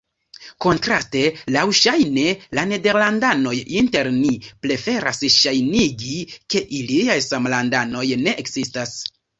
Kontraste, laŭŝajne, la nederlandanoj inter ni preferas ŝajnigi, ke iliaj samlandanoj ne ekzistas.